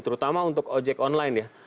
terutama untuk ojek online ya